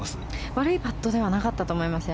悪いパットではなかったと思います。